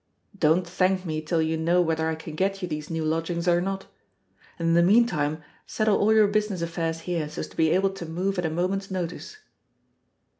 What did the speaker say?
Don't thank me till you know whether I can get you these new lodgings or not. And in the meantime settle all your business affairs here, so as to be able to move at a moment's notice."